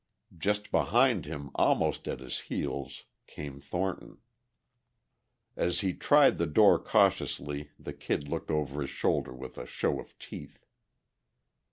Just behind him, almost at his heels, came Thornton. As he tried the door cautiously the Kid looked over his shoulder with a show of teeth.